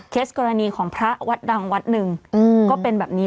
กรณีของพระวัดดังวัดหนึ่งก็เป็นแบบนี้